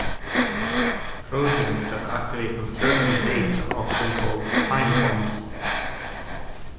Trojans that activate on certain dates are often called "time bombs".